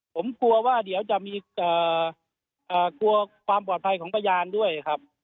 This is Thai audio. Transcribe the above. ผมกลัวว่าเดี๋ยวจะมีกลัวความปลอดภัยของพยานด้วยครับ